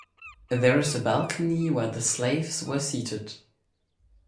There is a balcony where the slaves were seated.